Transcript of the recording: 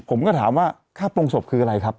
ผมก็ถามว่าค่าโปรงศพคืออะไรครับ